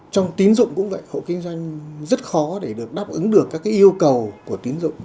trong tín dụng cũng vậy hộ kinh doanh rất khó để được đáp ứng được các yêu cầu của tín dụng